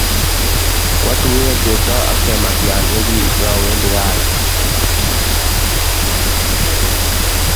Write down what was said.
Kwatuyen Cheptoo ak Chematian ye kingawendi gasi